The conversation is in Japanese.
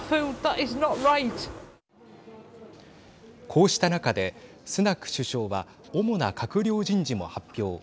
こうした中で、スナク首相は主な閣僚人事も発表。